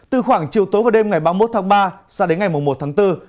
từ khoảng chiều tối và đêm ngày ba mươi một tháng ba sang đến ngày một tháng bốn